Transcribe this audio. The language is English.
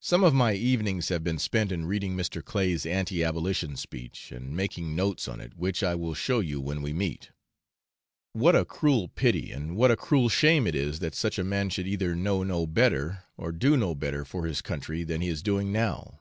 Some of my evenings have been spent in reading Mr. Clay's anti abolition speech, and making notes on it, which I will show you when we meet. What a cruel pity and what a cruel shame it is that such a man should either know no better or do no better for his country than he is doing now!